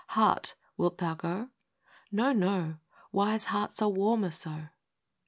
Heart, wilt thou go ?—" No, no! Wise hearts are warmer so." v.